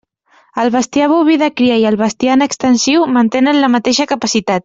El bestiar boví de cria i el bestiar en extensiu mantenen la mateixa capacitat.